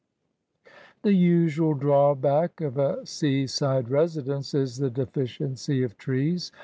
The usual drawback of a sea side residence is the deficiency of trees.